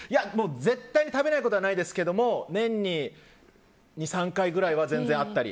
絶対に食べないことはないですけど年に２３回くらいは全然あったり。